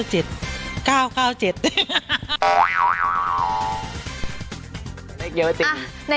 เลขเยอะจริง